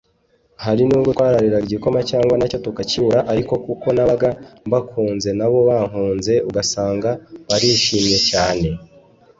Hari nubwo twarariraga igikoma cyangwa nacyo tukakibura ariko kuko nabaga mbakunze nabo bankunze ugasanga barishimye cyane